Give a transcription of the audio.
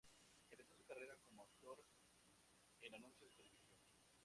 Empezó su carrera como actor en anuncios de televisión.